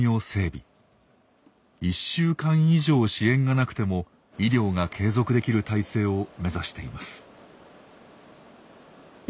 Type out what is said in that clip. １週間以上支援がなくても医療が継続できる体制を目指しています。